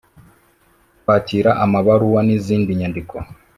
Kwakira amabaruwa n izindi nyandiko